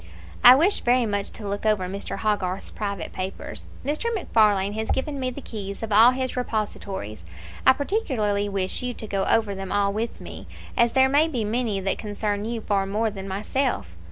"I wish very much to look over Mr. Hogarth's private papers. Mr. MacFarlane has given me the keys of all his repositories. I particularly wish you to go over them all with me, as there may be many that concern you far more than myself.